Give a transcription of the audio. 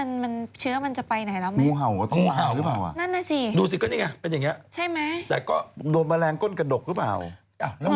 นะหลังจากนั้นเขาก็พาหลานไปส่งโรงพยาบาล